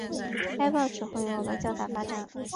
该报此后又有了较大发展。